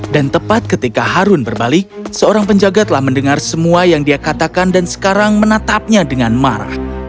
dan tepat ketika harun berbalik seorang penjaga telah mendengar semua yang dia katakan dan sekarang menatapnya dengan marah